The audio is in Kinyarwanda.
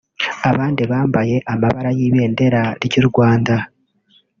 abandi bambaye amabara y’ibendera ry’u Rwanda